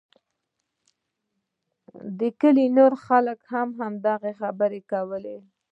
د کلي نورو خلکو هم دغه خبره کوله.